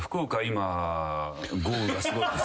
今豪雨がすごいですし。